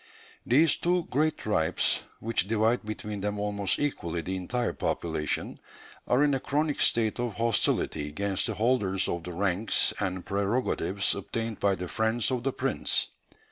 These two great tribes, which divide between them almost equally the entire population, are in a chronic state of hostility against the holders of the ranks and prerogatives obtained by the friends of the prince.